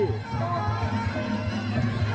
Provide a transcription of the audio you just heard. ได้อีก